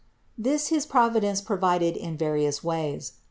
This his Providence provided in various ways.